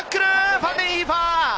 ファンデンヒーファー！